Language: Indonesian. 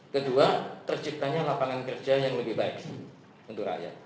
kedua terciptanya lapangan kerja yang lebih baik untuk rakyat